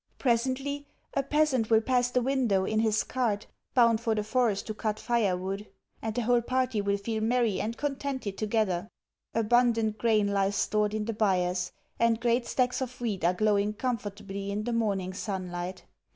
Presently, a peasant will pass the window in his cart bound for the forest to cut firewood, and the whole party will feel merry and contented together. Abundant grain lies stored in the byres, and great stacks of wheat are glowing comfortably in the morning sunlight.